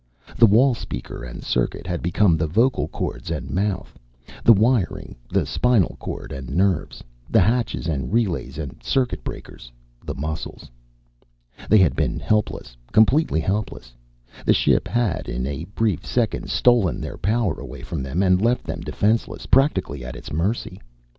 The wall speaker and circuit had become the vocal cords and mouth, the wiring the spinal cord and nerves, the hatches and relays and circuit breakers the muscles. They had been helpless, completely helpless. The ship had, in a brief second, stolen their power away from them and left them defenseless, practically at its mercy.